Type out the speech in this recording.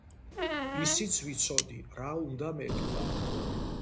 ისიც ვიცოდი რა უნდა მეთქვა.